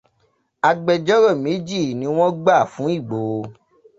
Agbẹjọ́rò méjì ni wón gbà fún Ìgbòho.